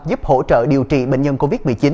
giúp hỗ trợ điều trị bệnh nhân covid một mươi chín